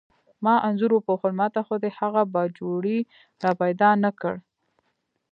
ما انځور وپوښتل: ما ته خو دې هغه باجوړی را پیدا نه کړ؟